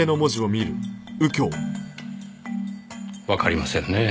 わかりませんねえ。